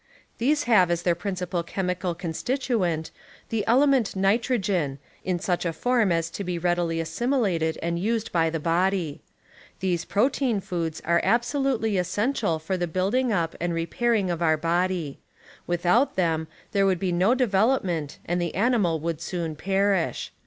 These have as their j>rincipal chem ical constituent the element nitrogen in such a form as to be readily assimilated and used by the body. These protein foods p . arc absolutely essential for the building up and ,. J repairing of our bodv. Without them there roods ' would be no dcveloj^mcnt and the animal would soon perish.